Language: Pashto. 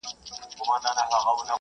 انا خپل لمونځ په پوره وېره کې کاوه.